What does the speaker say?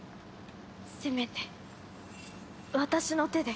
せめて私の手で。